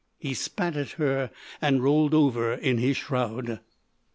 —" He spat at her and rolled over in his shroud.